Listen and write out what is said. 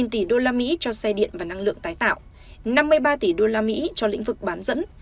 một tỷ usd cho xe điện và năng lượng tái tạo năm mươi ba tỷ usd cho lĩnh vực bán dẫn